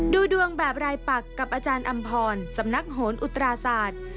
ดูดวงแบบรายปักกับอาจารย์อำพรสำนักโหนอุตราศาสตร์